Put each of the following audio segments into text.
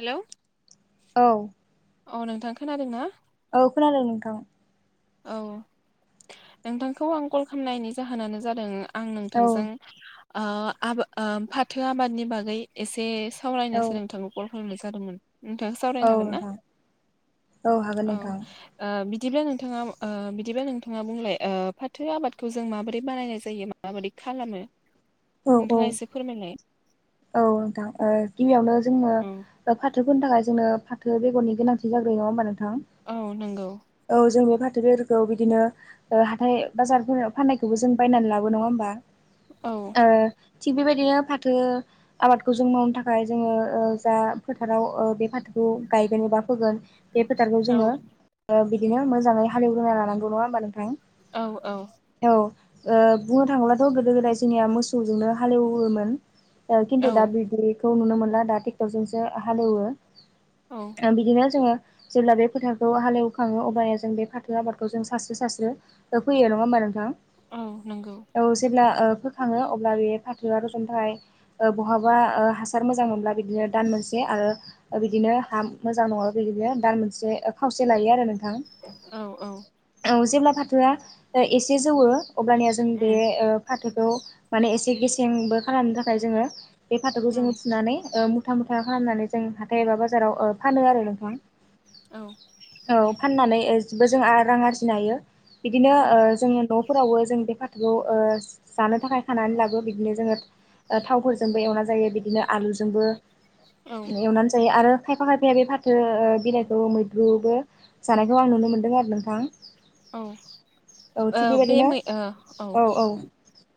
Hello औ औ नोंथां खोनादोंना? औ खोनादों नोंथां। औ नोंथांखौ आं कल खालामनायनि जाहोनानो जादों आं औ नोंथांजों आ फाथो आबादनि बागै एसे औ सावरायनो सोलोंथाङनो कल खालामनाय जादोंमोन नोंथां औ सावरायनो हागोन ना नोंथां हागोन औ नोंथां बिदिब्ला नोंथाङा बिदिबा नोंथाङा बुंलाय फाथो आबादखौ जों माबोरै बानायनाय जायो माबोरै खालामो औ औ नोंथाङा एसे फोरमायलाय औ नोंथां गिबियावनो जोंनो औ फाथो नि थाखाय जोंनो फाथो बेगरनि गोनांथि जाग्रोयो नङा होमबा नोंथां औ जों बे फाथो बेफोरखौ बिदिनो हाथाय बाजारफोर फाननायखौबो जों बायनानै लाबो नङा होमबा औ ओ थिग बेबायदिनो फाथो आबादखौ जों मावनो थाखाय जोङो जा फोथाराव बे फाथोखौ गायगोन एबा फोगोन बे फोथारखौ औ जोङो बिदि मोजै हालेवग्रोना लानांगौ नङा होमबा नोंथां औ औ बुंनो थाङोब्लाथ' गोदो गोदाय जोंनिया मोसौजोंनो हालेवोमोन खिन्थु दा औ बिदिखौ नुनो मोनला दा ट्रेक्टरजोंसो हालेवो औ बिदिनो जोङो जेब्ला बे फोथारखौ हालेवखाङो अबब्लानिया जों बे फाथो आबादखौ जों सास्रो सासस्रो फैयो नङा होमबा नोंथां औ जेब्ला खाङो अब्ला बे फाथोआ रजनथाइ बहाबा ओ हासार मोजां मोनब्ला बिदिनो दान मोनसे आरो बिदिनो हा मोजां नङाब्ला बिदिनो दान मोनसे खावसे लायो आरो नोंथां औ औ औ जेब्ला फाथोआ एसे जौवो अब्लानिया जों बे उम फाथोखौ माने एसे गेसेंबो खालामनो थाखाय जोङो बे फाथोखौ जोङो औ फुनानै मुथां मुथा खालामनानै जों हाथाय एबा बाजाराव फानो आरो नोंथां औ औ फाननानैबो जों रां आरजिनो हायो बिदिनो औ जोङो न'फोरावबो जों बे फाथोखौ जानो थाखाय खानानै लाबो बिदिनो जोङो थावफोरजोंबो एवना जायो बिदिनो आलुजोंबो औ एवनानै जायो आरो खायफा खायफाया बे फाथो बिलाइखौ मैद्रुबो जानायखौ आं नुनो मोनदों आरो नोंथां थिग औ बे बेबायदिनो मै औ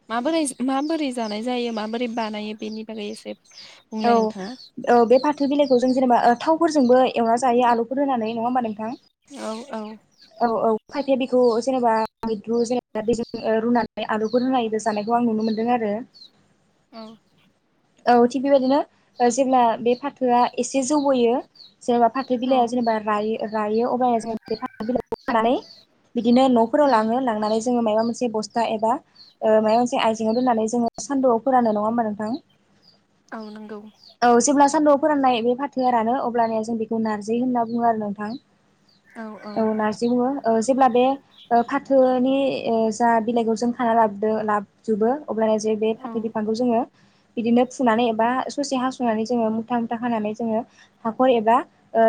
माबोरै माबोरै जानाय जायो माबोरै बानायो बेनि बागै एसे बुंलाय औ नोंथाङा औ बे फाथो बिलाइखौ जों जेनेबा थावफोरजोंबो एवना जायो आलुफोर होनानै नङा होनबा नोंथां औ औ औ औ खायफाया बेखौ जेनेबा मैद्रु जेनेबा दै रुनानै आलुफोर रुनाय जानायखौ आं नुनो मोन्दों आरो [unintelligible] औ औ थिग बेबायदिनो जेब्ला बे फाथोआ एसे जौबोयो जेनेबा फाथो औ बिलाइया जेनेबा रायो रायो अब जो बे फाथो बिलाइखौ खानानै बिदिनो न'फोराव उम लाङो लांनानै जोङो माबा मोनसे बस्था एबा माबा मोनसे आइजेंआव दोननानै जोङो सान्दुआव फोरानो नङा होमबा नोंथां औ नंगौ औ जेब्ला सान्दुआव फोराननाय बे फाथोआानो अबब्लााना जों बेखौ नारजि होनना बुङो आरो नोंथां औ नारजि बुंङो जेब्ला बे फाथोनि जा बिलाइखौ जों खाना लाबोदों लाबोजोबो अब्ला बा जे औ फाथो बिफांखौ जोङो नानै एबा ससे हुनानै ज मुथा मुथा खानानै जोङो हाखर एबा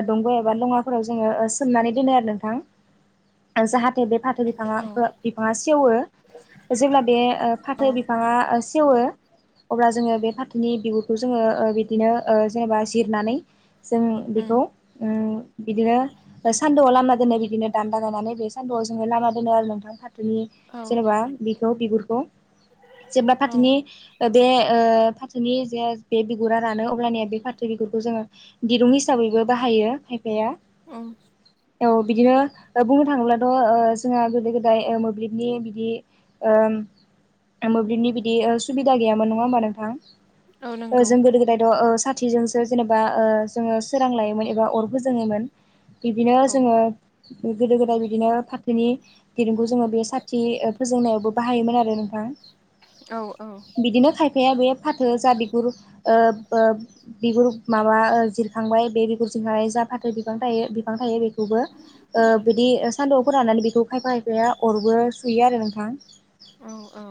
दंग' एबा लङा फोराव जोङो सोमनानै दोनो आरो नोंथां बे फाथो बिफाङा बो औ बिफाङा सेवो। जेब्ला बे औ फाथो बिफाङा सेवो अब्ला जोङो बे फाथोनि बिगुरखौ जोङो बिदिनो जेनेबा जिरनानै जों उम बेखौ उम बिदिनो सान्दुआव लामना दोनो बिदिनो दान्द गायनानै बे सान्दुआव जोङो लामा दोनो आरो नोंथां। फाथोनि औ जेनेबा बेखौ बिगुरखौ जेब्ला औ फाथोनि दे ओ नि जे बे बिगुरा रानो अब्लानिया बे फाथो बिगुरखौ जोङो दिरुं हिसाबैबो बाहायो खायफाया। [inaudible] औ बिदिनो बुंनो थाङोब्लाथ जोंहा गोदो गोदाय मोब्लिबनि बिदि ओ मोब्लिबनि बिदि सुबिदा गैयामोन नङा होमबा नोंथां। औ नंगौ जों गोदो गोदाय दं ओ साथिजों बिदिनो औ जोङो गोदो गोदाय बिदिनो फाथोनि दिरुंखौ जोङो बे साथि फोजोंनायावबो बाहायोमोन आरो नोंथां। औ औ बिदिनो खायफाया बे जा बिगुर ओ ओ बिगुर माबा जिरखांबाय बे बिगुर जहनानै जा फ बिफां थायो बिफां थायो बे बेखौबो बिदि सान्दुंआव फोरानानानै बेखौ खायफा खायफाया अरबो सुयो आरो नोंथां। औ-औ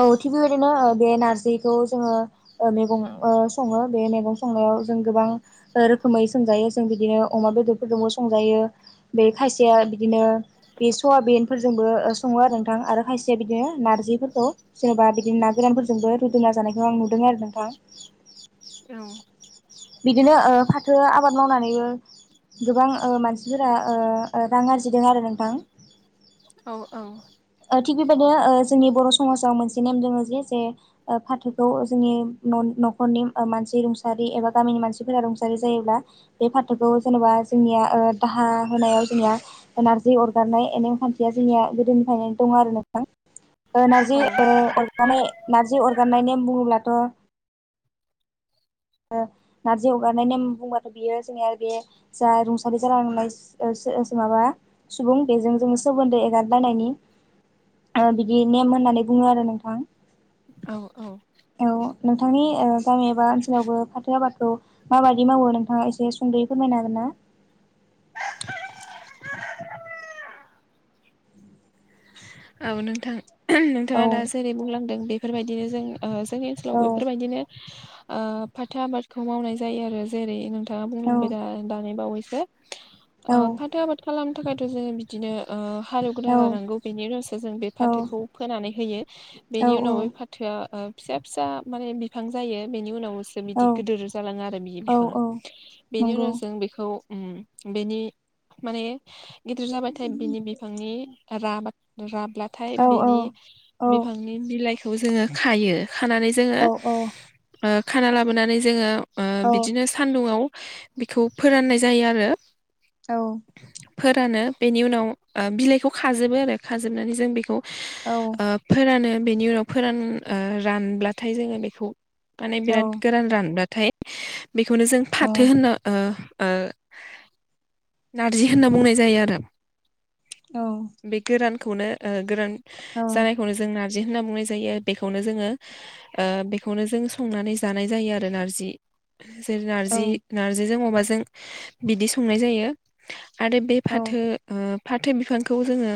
औ थिग बेबायदिनो दे नारजि बेखौ जोङो मैगं सङो बे मैगं संनायाव जों गोबां रोखोमै संजायो जों बिदिनो अमा बेदरफोरजोंबो संजायो बे खायसेया बिदिनो बे सयाबिन फोरजोंबो सङो आरो नोंथां आरो खायसेया बिदिनो नारजिफोरखौ जेनेबा बिदिनो ना गोरानफोरजोंबो फुदुंना जानायखौ आं नुदों आरो नोंथां। औ बिदिनो फाथो आबाद मावनानैबो गोबां मानसिफोरा रां आरजिदों आरो नोंथां। औ-औ थिग बेबायदिनो जोंनि बर' समाजाव मोनसे नेम दोङ जे जे फाथोखौ जोंनि न न'खरनि मानसि रुंसारि एबा गामिनि मानसिफोरा रुंसारि जायोब्ला बे फाथोखौ जेनेबा जोंनिया दाहा होनायाव जोंनिया नारजि अरगारनाय नेम खान्थिया जोंनिया गोदोनिफ्रायनो दङ आरो नोंथां। नारजि अरगानाय नारजि अरगानाय नेम बुङोब्लाथ [inaudible] नारजि हगारनाय नेम बुंबाथ बियो जोंनिया बे जा रुंसारि जालांनाय माबा। सुबुं बेजों जों सोमोन्दो एगारलायनायनि बिदि नेम होननानै बुङो आरो नोंथां। औ-औ औ नोंथांनि गामि एबा ओनसोलावबो फाथो आबाद माबाददि मावो नोंथाङा एसे सुंद'यै फोरमायनो हागोन ना। [inaudible] औ नोंथां औ नोंथाङा दा जेरै बुंलांदों बेफोरबायदिनो जों जोंनि औ ओनसोलाव बेफोरबायदिनो ओ फाथो आबादखौ मावनाय जायो आरो जेरै नोंथां नाङा औ बुंलांबाय दा दानि बावैसो औ फाथो आबाद खालाम थाखायथ जोङो बिदिनो औ हालेवग्रोना लानांगौ। नि उनसो जों बे औ फाथोखौ फोनानै होयो औ बेनि उनाव बे फाथोआ फिसा फिसा माने बिफां जायो बेनि उनाव औ बिदि गिदिर जालाङो आरो बि औ बिफाङा औ बेनि नंगौ उनाव जों बेखौ उ बेनि माने गिदिर जाबाथाय बिनि बिफांनि रा बा राब्लाथाय औ औ बेनि औ बिफांनि बिलाइखौ जोङो खायो खानानै जोङो औ ओ खाना लाबोनानै जोङो ओ औ बिदिनो सान्दुंआव बेखौ फोराननाय जायो आरो। औ। फोरानो बेनि उनाव बिलाइखौ खाजोबो आरो खाजोबनानै जों बेखौ औ ओ फोरानो बेनि उनाव फोरान ओ रानब्लाथाय जोङो बेखौ माने बिराद गोरान रानब्लााथाय बेखौनो जों फाथो होन ओ ओ नारजि होनना बुंनाय जायो आरो। औ। बे गोरानखौनो ओ गोरान जानायखौनो जों न नारजि होनना बुंनाय जायो बेखौनो जोङो ओ बेखौनो जों संनानै जानाय जायो आरो नारजि जेरै नारजि नार्जिजों अमाजों बिदि संनाय जायो। आरो बे फाथो ओ फाथो बिफांखौ जोङो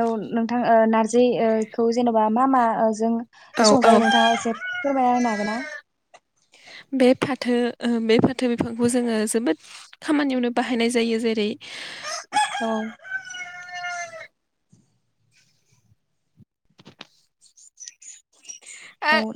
औ नोंथां ओ नारजि ओ खौ जेनेबा मा मा जों औ औ संजायो नोंथाङा एसे फोरमाया होननो हागोन ना [unintelligible] बे फाथो ओ बे फाथो बिफांखौ जोङो जोबोद खामानियावनो बाहायनाय जायो जेरै [unintelligible] औ औ